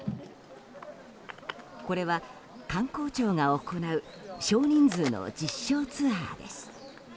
これは観光庁が行う少人数の実証ツアーです。